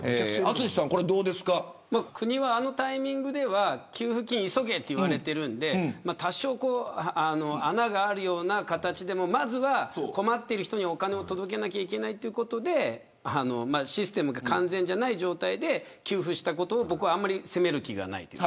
国は、あのタイミングでは給付金を急げと言われているので多少、穴があるような形でもまずは困っている人にお金を届けないといけないということでシステムが完全じゃない状態で給付したことを僕はあまり責める気がないです。